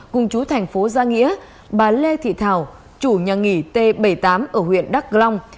cùng chú thành phố giang nghĩa bà lê thị thảo chủ nhà nghỉ t bảy mươi tám ở huyện đắk long